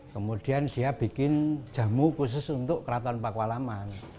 kemudian dia bikin jamu khusus untuk keraton pakualaman